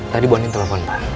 tadi bu andien telfon pak